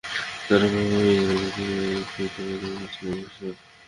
যার প্রভাব ইরতেদাদের ফিতনা দমনে ছিল চির ভাস্বর।